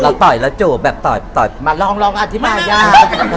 ต่อยแล้วจูบแบบต่อยมาลองอธิบายยาก